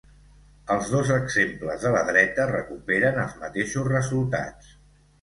Els dos exemples de la dreta recuperen els mateixos resultats.